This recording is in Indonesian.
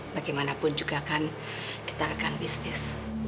bagaimanapun juga akan kita rekan bisnis